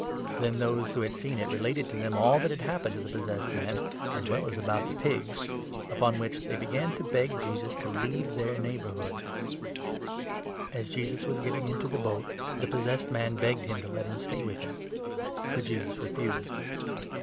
Then those who 16 had seen it related to them all that had happened to the possessed man, as well as about the pigs ; upon which they 17 began to beg Jesus to leave their neighbourhood. As 18 Jesus was getting into the boat, the possessed man begged him to let him stay with him. But Jesus refused.